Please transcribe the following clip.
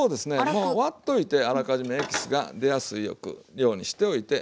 もう割っといてあらかじめエキスが出やすいようにしておいて。